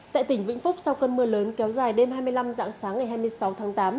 tại tỉnh vĩnh phúc sau cơn mưa lớn kéo dài đêm hai mươi năm dạng sáng ngày hai mươi sáu tháng tám